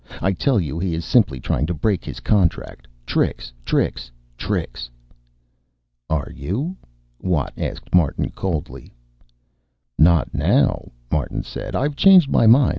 I tell you he is simply trying to break his contract tricks, tricks, tricks." "Are you?" Watt asked Martin coldly. "Not now," Martin said. "I've changed my mind.